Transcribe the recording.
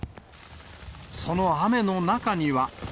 その雨の中には。